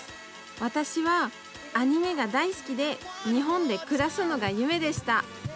私はアニメが大好きで日本で暮らすのが夢でした。